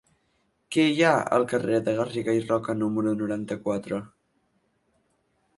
Què hi ha al carrer de Garriga i Roca número noranta-quatre?